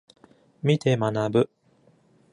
観て学ぶ